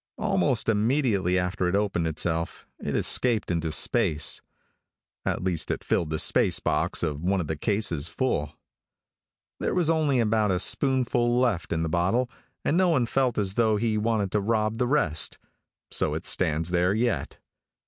Almost immediately after it opened itself, it escaped into space. At least it filled the space box of one of the cases full. There was only about a spoonful left in the bottle, and no one felt as though he wanted to rob the rest, so it stands there yet.